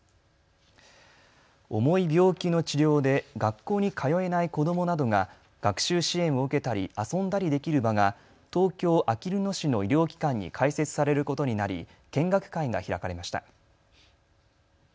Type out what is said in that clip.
重い病気の治療で学校に通えない子どもなどが学習支援を受けたり遊んだりできる場が東京あきる野市の医療機関に開設されることになり見学会が開かれました。